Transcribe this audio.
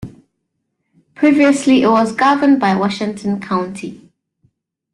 Previously it was governed by Washington County.